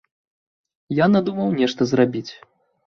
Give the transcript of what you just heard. Я надумаў нешта зрабіць.